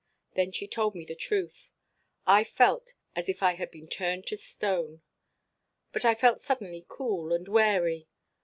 Then she told me the truth. I felt as if I had been turned to stone. But I felt suddenly cool and wary.